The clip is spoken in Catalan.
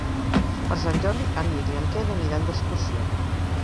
Per Sant Jordi en Nil i en Quer aniran d'excursió.